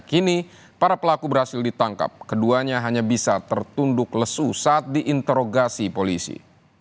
kini para pelaku berhasil ditangkap keduanya hanya bisa tertunduk lesu saat diinterogasi polisi